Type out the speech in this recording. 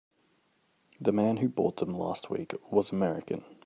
The man who bought them last week was American.